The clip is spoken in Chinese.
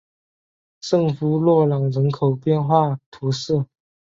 圣夫洛朗人口变化图示